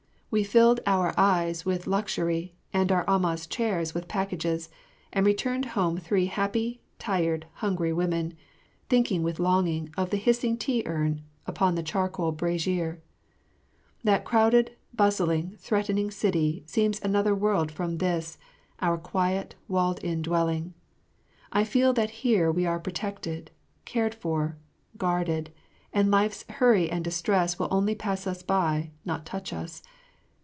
We filled our eyes with luxury and our amahs' chairs with packages, and returned home three happy, tired, hungry women, thinking with longing of the hissing tea urn upon the charcoal brazier. That crowded, bustling, threatening city seems another world from this, our quiet, walled in dwelling. I feel that here we are protected, cared for, guarded, and life's hurry and distress will only pass us by, not touch us.